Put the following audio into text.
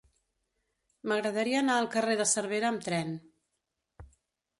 M'agradaria anar al carrer de Cervera amb tren.